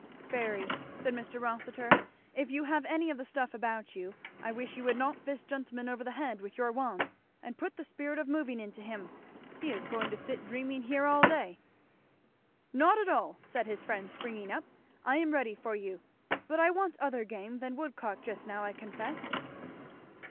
"Fairy," said Mr. Rossitur, "if you have any of the stuff about you, I wish you would knock this gentleman over the head with your wand and put the spirit of moving into him. He is going to sit dreaming here all day." "Not at all," said his friend springing up. "I am ready for you but I want other game than woodcock just now I confess."